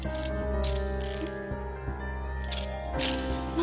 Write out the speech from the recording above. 何？